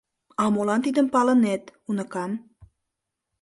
А молан тидым палынет, уныкам?